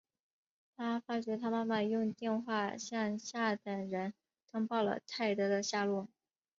他发觉他妈妈用电话向下等人通报了泰德的下落。